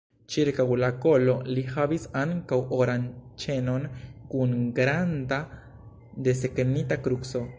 Ĉirkaŭ la kolo li havis ankaŭ oran ĉenon kun granda desegnita kruco.